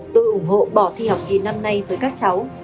tôi ủng hộ bỏ thi học kỳ năm nay với các cháu